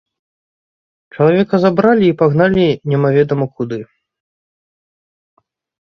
Чалавека забралі і пагналі немаведама куды.